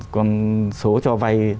con số cho vay